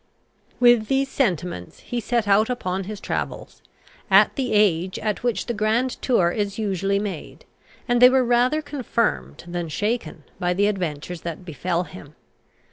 With these sentiments he set out upon his travels, at the age at which the grand tour is usually made; and they were rather confirmed than shaken by the adventures that befel him.